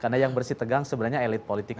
karena yang bersih tegang sebenarnya elit politik